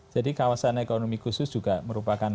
jadi kawasan ekonomi khusus juga merupakan